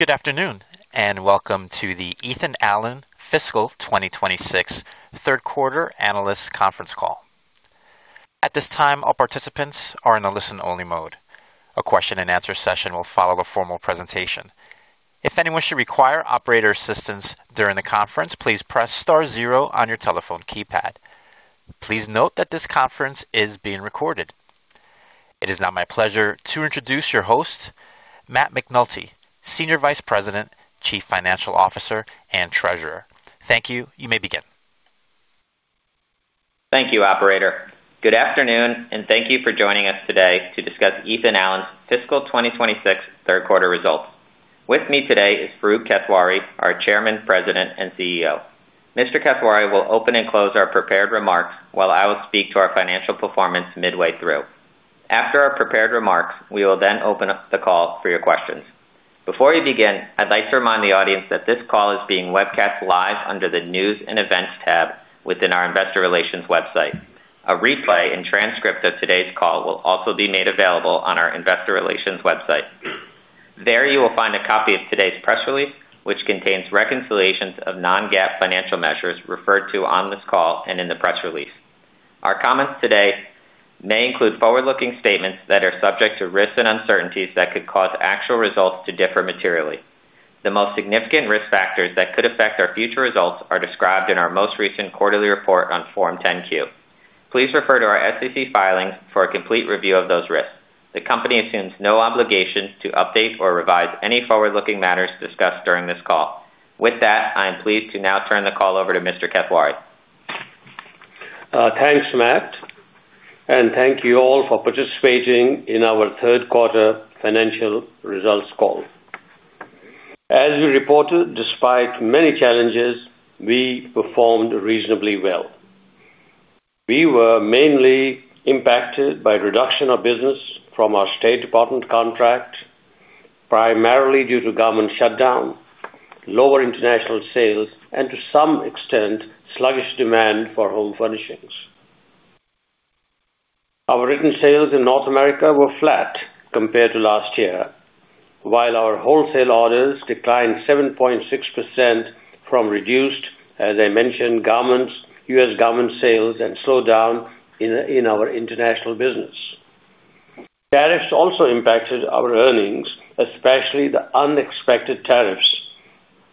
Good afternoon, and welcome to the Ethan Allen fiscal 2026 third quarter analyst conference call. At this time, all participants are in a listen-only mode. A question and answer session will follow the formal presentation. If anyone should require operator assistance during the conference, please press star zero on your telephone keypad. Please note that this conference is being recorded. It is now my pleasure to introduce your host, Matthew J. McNulty, Senior Vice President, Chief Financial Officer, and Treasurer. Thank you. You may begin. Thank you, operator. Good afternoon. Thank you for joining us today to discuss Ethan Allen's fiscal 2026 third quarter results. With me today is Farooq Kathwari, our Chairman, President, and CEO. Mr. Kathwari will open and close our prepared remarks, while I will speak to our financial performance midway through. After our prepared remarks, we will open up the call for your questions. Before we begin, I'd like to remind the audience that this call is being webcast live under the News & Events tab within our investor relations website. A replay and transcript of today's call will also be made available on our investor relations website. There, you will find a copy of today's press release, which contains reconciliations of non-GAAP financial measures referred to on this call and in the press release. Our comments today may include forward-looking statements that are subject to risks and uncertainties that could cause actual results to differ materially. The most significant risk factors that could affect our future results are described in our most recent quarterly report on Form 10-Q. Please refer to our SEC filings for a complete review of those risks. The company assumes no obligation to update or revise any forward-looking matters discussed during this call. With that, I am pleased to now turn the call over to Mr. Kathwari. Thanks, Matt, and thank you all for participating in our third quarter financial results call. As we reported, despite many challenges, we performed reasonably well. We were mainly impacted by a reduction of business from our State Department contract, primarily due to government shutdown, lower international sales, and to some extent, sluggish demand for home furnishings. Our written sales in North America were flat compared to last year, while our wholesale orders declined 7.6% from reduced, as I mentioned, governments, U.S. government sales and slowdown in our international business. Tariffs also impacted our earnings, especially the unexpected tariffs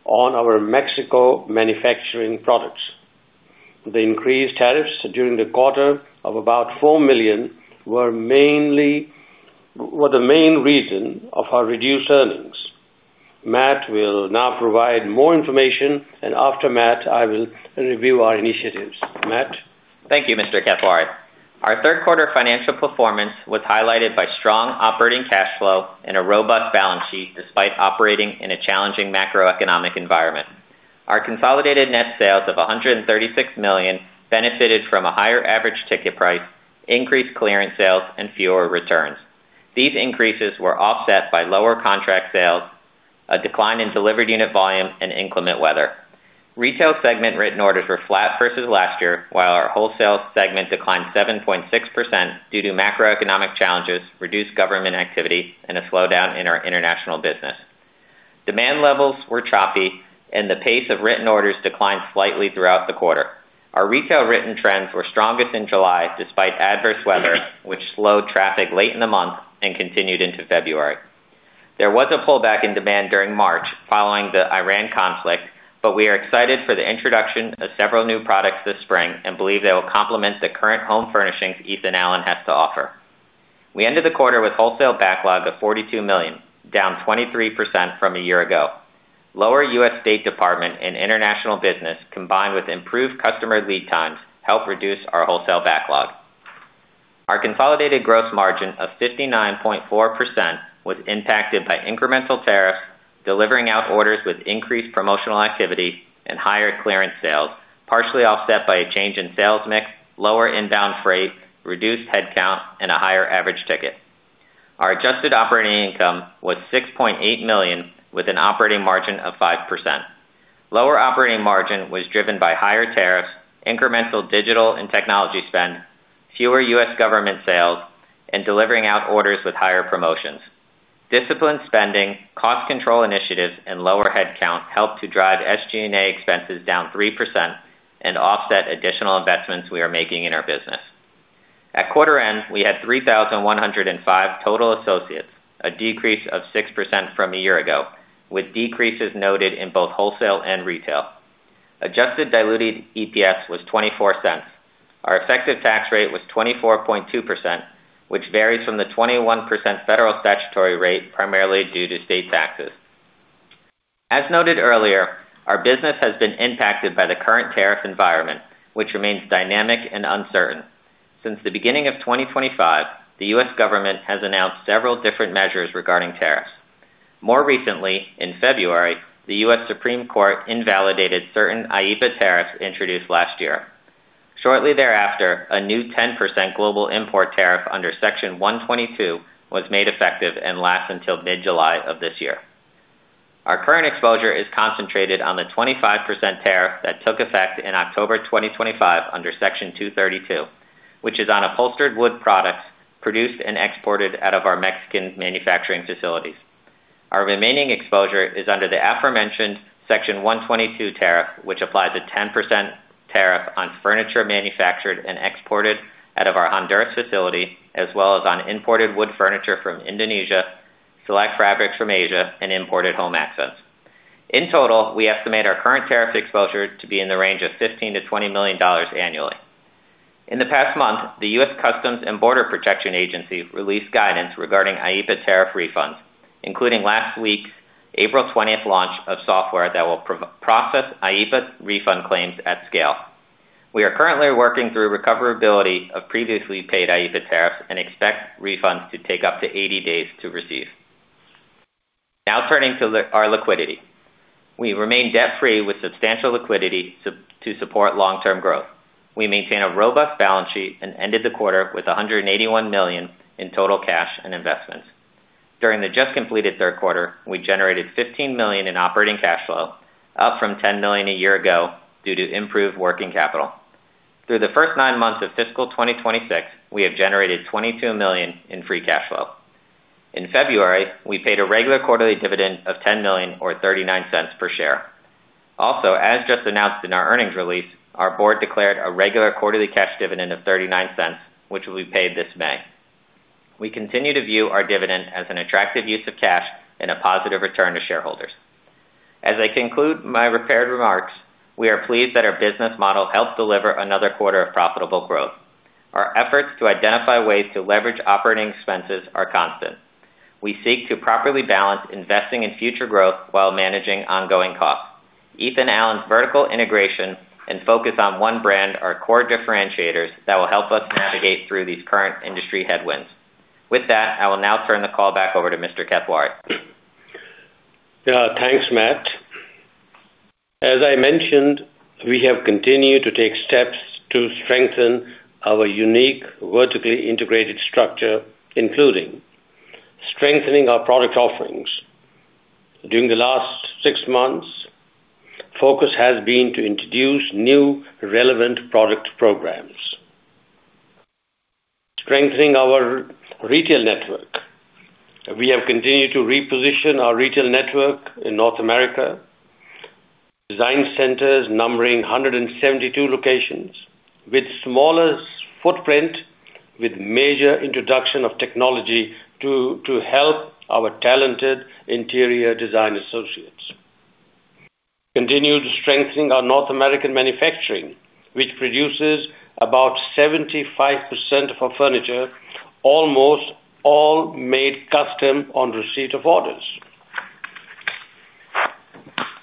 on our Mexico manufacturing products. The increased tariffs during the quarter of about $4 million were mainly the main reason of our reduced earnings. Matt will now provide more information, and after Matt, I will review our initiatives. Matt. Thank you, Mr. Kathwari. Our third quarter financial performance was highlighted by strong operating cash flow and a robust balance sheet despite operating in a challenging macroeconomic environment. Our consolidated net sales of $136 million benefited from a higher average ticket price, increased clearance sales, and fewer returns. These increases were offset by lower contract sales, a decline in delivered unit volume, and inclement weather. Retail segment written orders were flat versus last year, while our wholesale segment declined 7.6% due to macroeconomic challenges, reduced government activity, and a slowdown in our international business. Demand levels were choppy and the pace of written orders declined slightly throughout the quarter. Our retail written trends were strongest in July despite adverse weather, which slowed traffic late in the month and continued into February. There was a pullback in demand during March following the Iran conflict, but we are excited for the introduction of several new products this spring and believe they will complement the current home furnishings Ethan Allen has to offer. We ended the quarter with wholesale backlog of $42 million, down 23% from a year ago. Lower U.S. State Department and international business, combined with improved customer lead times, helped reduce our wholesale backlog. Our consolidated gross margin of 59.4% was impacted by incremental tariffs, delivering out orders with increased promotional activity and higher clearance sales, partially offset by a change in sales mix, lower inbound freight, reduced headcount, and a higher average ticket. Our adjusted operating income was $6.8 million with an operating margin of 5%. Lower operating margin was driven by higher tariffs, incremental digital and technology spend, fewer U.S. government sales, and delivering out orders with higher promotions. Disciplined spending, cost control initiatives, and lower headcount helped to drive SG&A expenses down 3% and offset additional investments we are making in our business. At quarter end, we had 3,105 total associates, a decrease of 6% from a year ago, with decreases noted in both wholesale and retail. Adjusted diluted EPS was $0.24. Our effective tax rate was 24.2%, which varies from the 21% federal statutory rate, primarily due to state taxes. As noted earlier, our business has been impacted by the current tariff environment, which remains dynamic and uncertain. Since the beginning of 2025, the U.S. government has announced several different measures regarding tariffs. More recently, in February, the U.S. Supreme Court invalidated certain IEEPA tariffs introduced last year. Shortly thereafter, a new 10% global import tariff under Section 122 was made effective and lasts until mid-July of this year. Our current exposure is concentrated on the 25% tariff that took effect in October 2025 under Section 232, which is on upholstered wood products produced and exported out of our Mexican manufacturing facilities. Our remaining exposure is under the aforementioned Section 122 tariff, which applies a 10% tariff on furniture manufactured and exported out of our Honduras facility, as well as on imported wood furniture from Indonesia, select fabrics from Asia and imported home accents. In total, we estimate our current tariff exposure to be in the range of $15-$20 million annually. In the past month, the U.S. Customs and Border Protection released guidance regarding IEEPA tariff refunds, including last week's April 20th launch of software that will pro-process IEEPA refund claims at scale. We are currently working through recoverability of previously paid IEEPA tariffs and expect refunds to take up to 80 days to receive. Now turning to our liquidity. We remain debt-free with substantial liquidity to support long-term growth. We maintain a robust balance sheet and ended the quarter with $181 million in total cash and investments. During the just completed third quarter, we generated $15 million in operating cash flow, up from $10 million a year ago due to improved working capital. Through the first nine months of fiscal 2026, we have generated $22 million in free cash flow. In February, we paid a regular quarterly dividend of $10 million or $0.39 per share. Also, as just announced in our earnings release, our board declared a regular quarterly cash dividend of $0.39, which will be paid this May. We continue to view our dividend as an attractive use of cash and a positive return to shareholders. As I conclude my prepared remarks, we are pleased that our business model helped deliver another quarter of profitable growth. Our efforts to identify ways to leverage operating expenses are constant. We seek to properly balance investing in future growth while managing ongoing costs. Ethan Allen's vertical integration and focus on one brand are core differentiators that will help us navigate through these current industry headwinds. With that, I will now turn the call back over to Mr. Kathwari. Thanks, Matt. As I mentioned, we have continued to take steps to strengthen our unique vertically integrated structure, including strengthening our product offerings. During the last 6 months, focus has been to introduce new relevant product programs. Strengthening our retail network. We have continued to reposition our retail network in North America. Design centers numbering 172 locations with smaller footprint, with major introduction of technology to help our talented interior design associates. Continued strengthening our North American manufacturing, which produces about 75% of our furniture, almost all made custom on receipt of orders.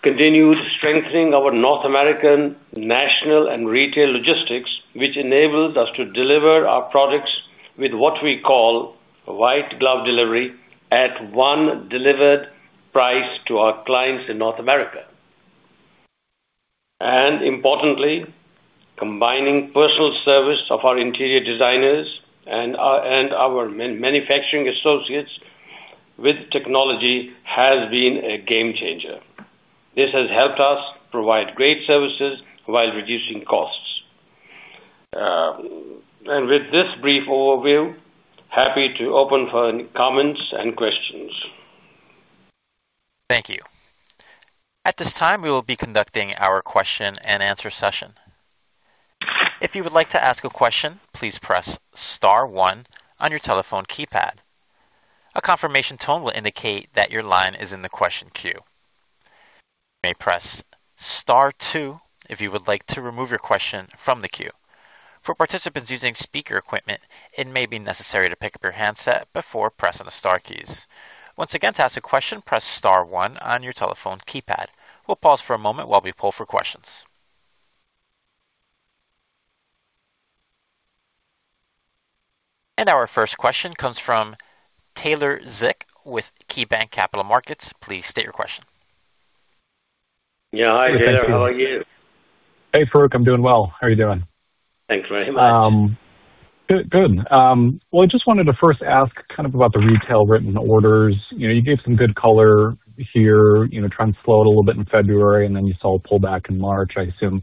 Continued strengthening our North American national and retail logistics, which enables us to deliver our products with what we call white glove delivery at one delivered price to our clients in North America. Importantly, combining personal service of our interior designers and our manufacturing associates with technology has been a game changer. This has helped us provide great services while reducing costs. With this brief overview, I am happy to open for any comments and questions. Our first question comes from Taylor Zick with KeyBanc Capital Markets. Please state your question. Yeah. Hi, Taylor. How are you? Hey, Farooq. I'm doing well. How are you doing? Thanks very much. Good, good. Well, I just wanted to first ask kind of about the retail written orders. You know, you gave some good color here, you know, trends slowed a little bit in February, and then you saw a pullback in March, I assume,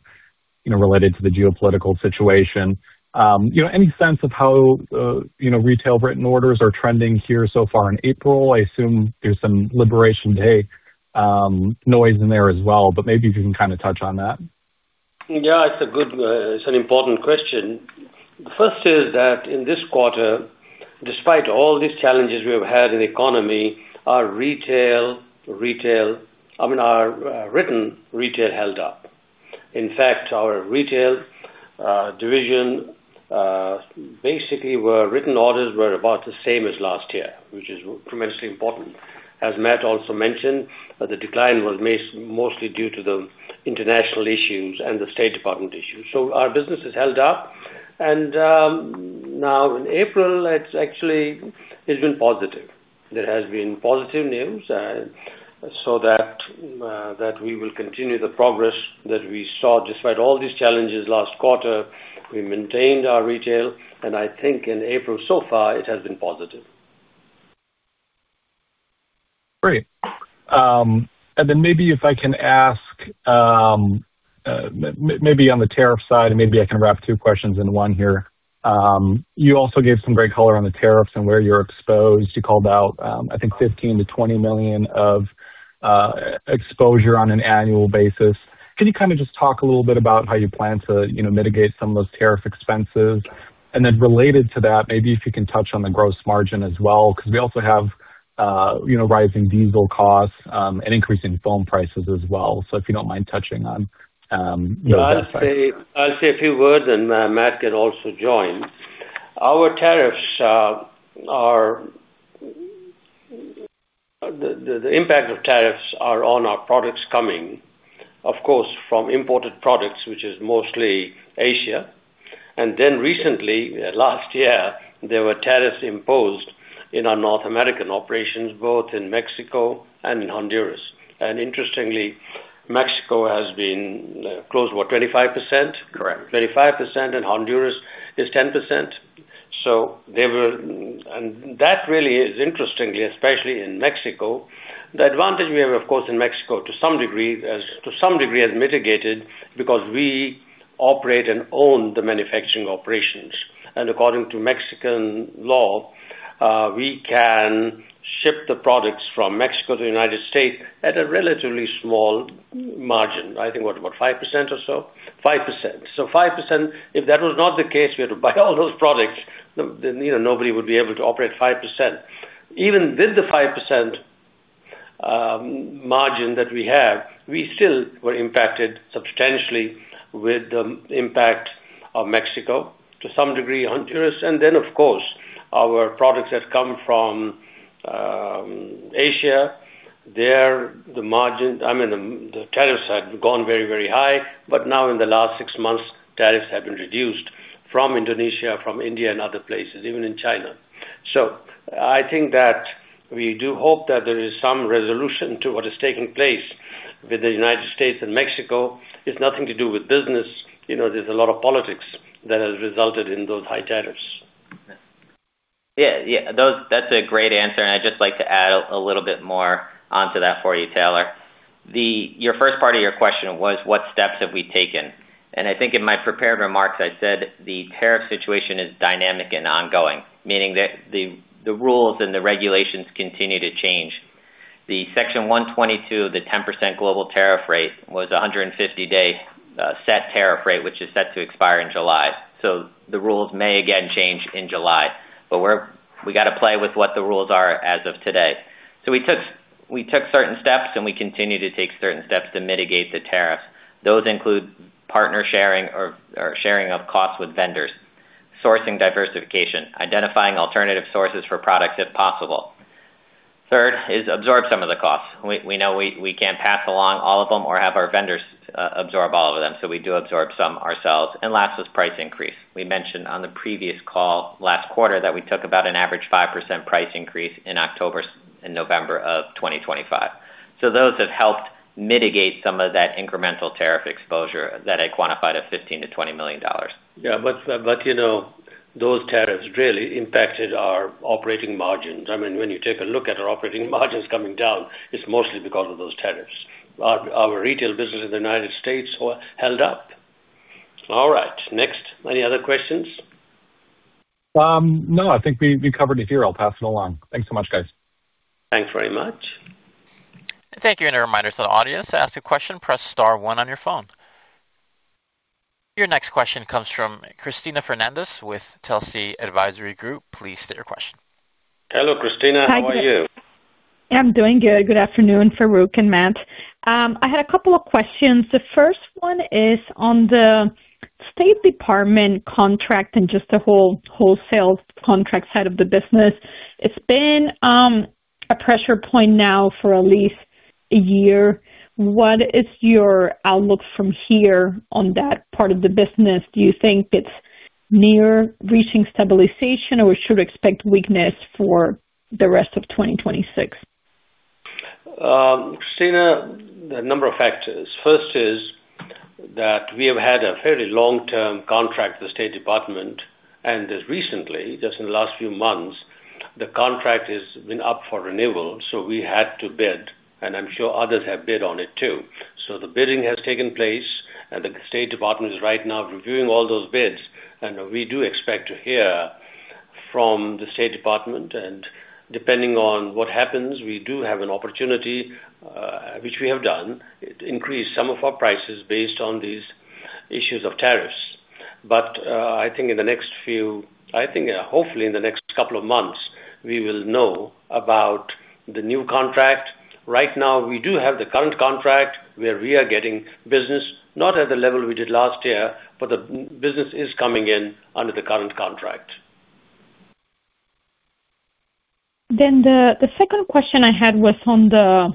you know, related to the geopolitical situation. You know, any sense of how, you know, retail written orders are trending here so far in April? I assume there's some liberation day noise in there as well, but maybe if you can kinda touch on that. It's a good, it's an important question. The first is that in this quarter, despite all these challenges we have had in the economy, our retail, I mean, our written retail held up. Our retail division, basically written orders were about the same as last year, which is tremendously important. As Matt also mentioned, the decline was mostly due to the international issues and the State Department issues. Our business has held up. Now in April, it's actually, it's been positive. There has been positive news. We will continue the progress that we saw despite all these challenges last quarter. We maintained our retail, I think in April so far, it has been positive. Great. Maybe if I can ask, maybe on the tariff side, and maybe I can wrap two questions into one here. You also gave some great color on the tariffs and where you're exposed. You called out, I think $15-$20 million of exposure on an annual basis. Can you kind of just talk a little bit about how you plan to, you know, mitigate some of those tariff expenses? Related to that, maybe if you can touch on the gross margin as well, because we also have, you know, rising diesel costs and increasing foam prices as well. If you don't mind touching on, you know, that side. Yeah. I'll say, I'll say a few words, and Matt can also join. Our tariffs. The impact of tariffs are on our products coming, of course, from imported products, which is mostly Asia. Recently, last year, there were tariffs imposed in our North American operations, both in Mexico and in Honduras. Interestingly, Mexico has been close to what? 25%? Correct. 25%, Honduras is 10%. That really is interestingly, especially in Mexico. The advantage we have, of course, in Mexico, to some degree, has mitigated because we operate and own the manufacturing operations. According to Mexican law, we can ship the products from Mexico to United States at a relatively small margin. I think what, about 5% or so, 5%. 5%, if that was not the case, we had to buy all those products, then, you know, nobody would be able to operate 5%. Even with the 5% margin that we have, we still were impacted substantially with the impact of Mexico, to some degree, Honduras, and then of course our products that come from Asia. There, I mean, the tariffs have gone very, very high. Now in the last six months, tariffs have been reduced from Indonesia, from India and other places, even in China. I think that we do hope that there is some resolution to what has taken place with the U.S. and Mexico. It's nothing to do with business. You know, there's a lot of politics that has resulted in those high tariffs. Yeah. Yeah, yeah. That's a great answer, I'd just like to add a little bit more onto that for you, Taylor. Your first part of your question was what steps have we taken? I think in my prepared remarks, I said the tariff situation is dynamic and ongoing, meaning that the rules and the regulations continue to change. The Section 122, the 10% global tariff rate was a 150-day set tariff rate, which is set to expire in July. The rules may again change in July. We gotta play with what the rules are as of today. We took certain steps, and we continue to take certain steps to mitigate the tariff. Those include partner sharing or sharing of costs with vendors, sourcing diversification, identifying alternative sources for products if possible. Third is absorb some of the costs. We know we can't pass along all of them or have our vendors absorb all of them, so we do absorb some ourselves. Last was price increase. We mentioned on the previous call last quarter that we took about an average 5% price increase in November 2025. Those have helped mitigate some of that incremental tariff exposure that I quantified at $15 million-$20 million. You know, those tariffs really impacted our operating margins. I mean, when you take a look at our operating margins coming down, it's mostly because of those tariffs. Our retail business in the U.S. were held up. All right, next. Any other questions? No, I think we covered it here. I'll pass it along. Thanks so much, guys. Thanks very much. Thank you. A reminder to the audience, to ask a question, press star one on your phone. Your next question comes from Cristina Fernández with Telsey Advisory Group. Please state your question. Hello, Cristina. Hi. How are you? I'm doing good. Good afternoon, Farooq and Matt. I had a couple of questions. The first one is on the United States Department of State contract and just the whole wholesale contract side of the business. It's been a pressure point now for at least a year. What is your outlook from here on that part of the business? Do you think it's near reaching stabilization, or we should expect weakness for the rest of 2026? Cristina Fernández, a number of factors. First is that we have had a very long-term contract with the State Department, and just recently, just in the last few months, the contract has been up for renewal, so we had to bid, and I'm sure others have bid on it too. The bidding has taken place, and the State Department is right now reviewing all those bids. We do expect to hear from the State Department. Depending on what happens, we do have an opportunity, which we have done, to increase some of our prices based on these issues of tariffs. I think in the next few... I think, hopefully in the next couple of months, we will know about the new contract. Right now, we do have the current contract where we are getting business, not at the level we did last year, but the business is coming in under the current contract. The second question I had was on the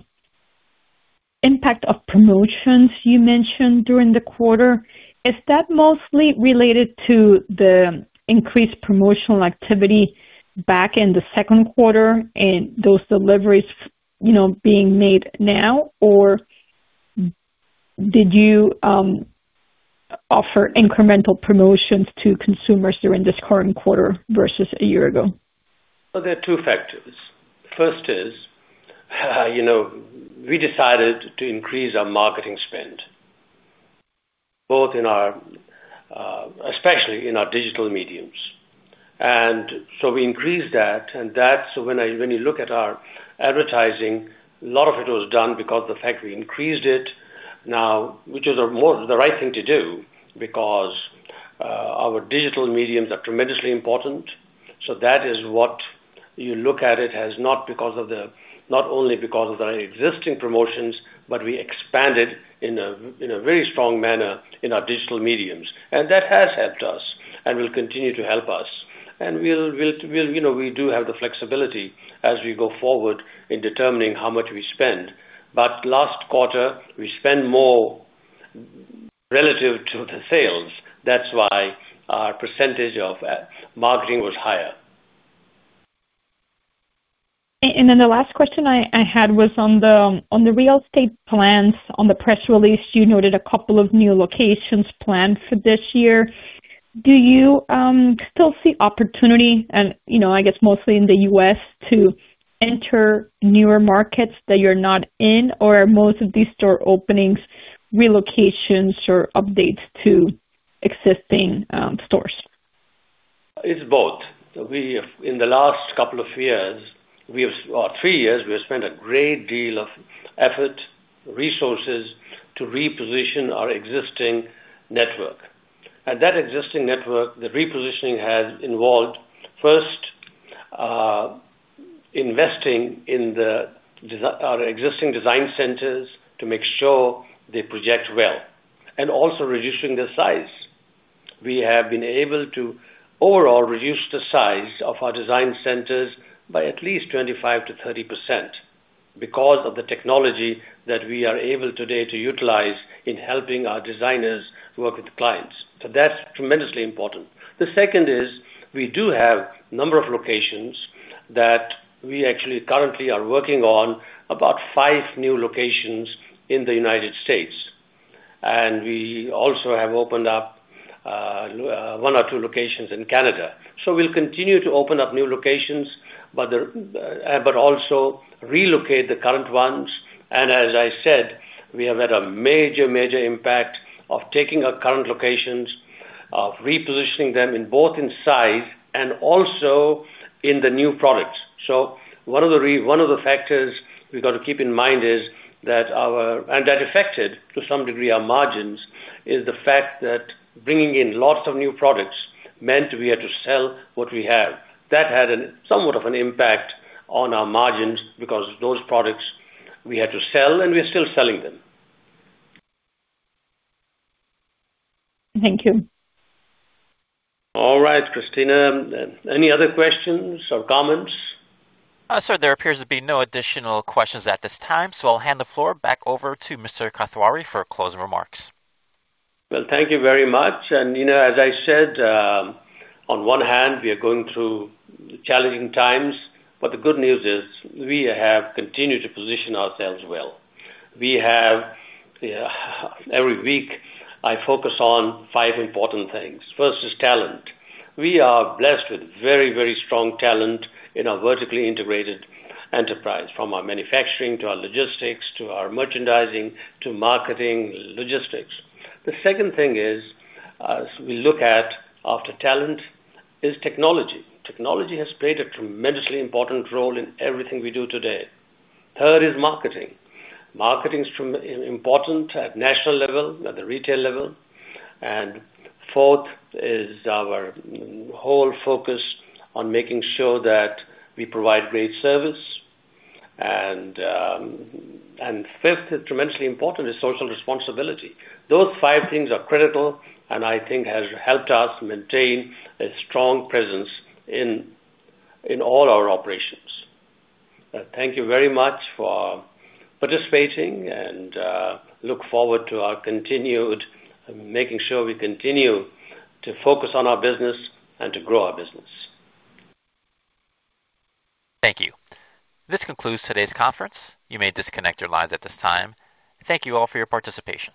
impact of promotions you mentioned during the quarter. Is that mostly related to the increased promotional activity back in the second quarter and those deliveries, you know, being made now, or did you Offer incremental promotions to consumers during this current quarter versus a year ago? Well, there are two factors. First is, you know, we decided to increase our marketing spend, both in our, especially in our digital mediums. We increased that. When you look at our advertising, a lot of it was done because the fact we increased it now, which is the right thing to do because our digital mediums are tremendously important. That is what you look at it as not because of the, not only because of the existing promotions, but we expanded in a very strong manner in our digital mediums. That has helped us and will continue to help us. We'll, you know, we do have the flexibility as we go forward in determining how much we spend. Last quarter, we spent more relative to the sales. That's why our percentage of marketing was higher. The last question I had was on the real estate plans. On the press release, you noted a couple of new locations planned for this year. Do you still see opportunity and, you know, I guess mostly in the U.S., to enter newer markets that you're not in, or are most of these store openings relocations or updates to existing stores? It's both. In the last couple of years, or three years, we have spent a great deal of effort, resources to reposition our existing network. That existing network, the repositioning has involved, first, investing in our existing design centers to make sure they project well and also reducing the size. We have been able to overall reduce the size of our design centers by at least 25%-30% because of the technology that we are able today to utilize in helping our designers work with clients. That's tremendously important. The second is we do have a number of locations that we actually currently are working on, about five new locations in the United States. We also have opened up one or two locations in Canada. We'll continue to open up new locations, but the, but also relocate the current ones. As I said, we have had a major impact of taking our current locations, of repositioning them in both in size and also in the new products. One of the one of the factors we've got to keep in mind is that our. And that affected, to some degree, our margins, is the fact that bringing in lots of new products meant we had to sell what we have. That had a somewhat of an impact on our margins because those products we had to sell, and we're still selling them. Thank you. All right, Cristina. Any other questions or comments? sir, there appears to be no additional questions at this time. I'll hand the floor back over to Mr. Kathwari for closing remarks. Well, thank you very much. You know, as I said, on one hand, we are going through challenging times, but the good news is we have continued to position ourselves well. We have. Every week, I focus on five important things. First is talent. We are blessed with very strong talent in our vertically integrated enterprise, from our manufacturing to our logistics, to our merchandising, to marketing, logistics. The second thing is, as we look at after talent, is technology. Technology has played a tremendously important role in everything we do today. third is marketing. Marketing is important at national level, at the retail level. fourth is our whole focus on making sure that we provide great service. fifth, tremendously important, is social responsibility. Those five things are critical, and I think has helped us maintain a strong presence in all our operations. Thank you very much for participating and look forward to our continued, making sure we continue to focus on our business and to grow our business. Thank you. This concludes today's conference. You may disconnect your lines at this time. Thank you all for your participation.